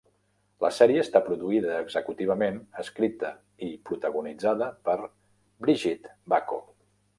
La sèrie està produïda executivament, escrita i protagonitzada per Brigitte Bako.